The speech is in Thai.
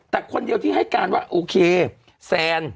แต่คนเดียวที่ให้การว่าโอเคแซน